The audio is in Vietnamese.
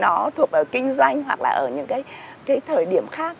nó thuộc vào kinh doanh hoặc là ở những cái thời điểm khác